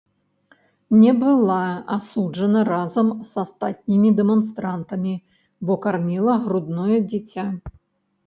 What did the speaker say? Не была асуджана разам з астатнімі дэманстрантамі, бо карміла грудное дзіця.